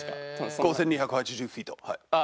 ５２８０フィート。